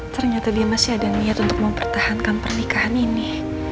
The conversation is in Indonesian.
ternyata dia masih ada niat untuk mempertahankan pernikahan ini